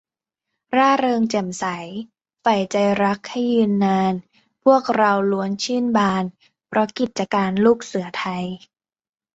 ร่าเริงแจ่มใส ใฝ่ใจรักให้ยืนนาน พวกเราล้วนชื่นบาน เพราะกิจการลูกเสือไทย